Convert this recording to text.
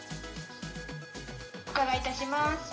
お伺いいたします。